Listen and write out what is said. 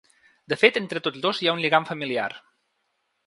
De fet, entre tots dos hi ha un lligam familiar.